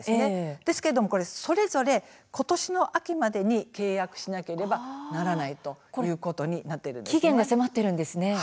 ですけれども、それぞれことしの秋までに契約をしなければならないということになっています。